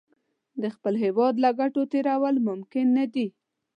د خپل هېواد له ګټو تېرول ممکن نه دي.